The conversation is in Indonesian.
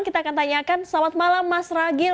kita akan tanyakan selamat malam mas ragil